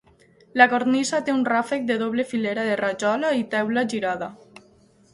La cornisa té un ràfec de doble filera de rajola i teula girada.